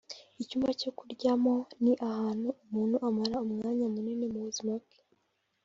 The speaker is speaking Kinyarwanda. Icyumba cyo kuryamo ni ahantu umuntu amara umwanya munini mu buzima bwe